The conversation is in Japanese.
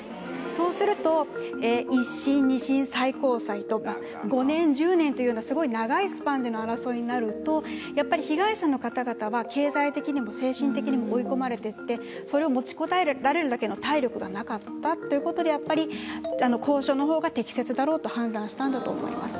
そうすると一審二審最高裁と５年１０年というようなすごい長いスパンでの争いになるとやっぱり被害者の方々は経済的にも精神的にも追い込まれてってそれを持ちこたえられるだけの体力がなかったということでやっぱり交渉のほうが適切だろうと判断したんだと思います。